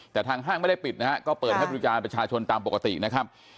แต่ทางห้างไม่ได้ปิดนะฮะก็เปิดให้บริการประชาชนตามปกตินะครับ